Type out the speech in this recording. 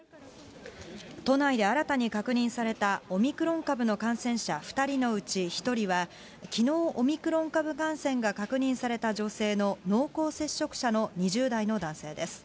都内で新たに確認されたオミクロン株の感染者２人のうち１人はきのう、オミクロン株感染が確認された女性の濃厚接触者の２０代の男性です。